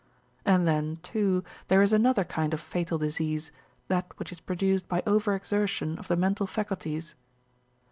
And then, too, there is another kind of fatal disease, that which is produced by over exertion of the mental faculties.